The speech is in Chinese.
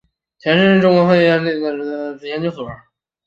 前身是中国科学院中国历史研究所。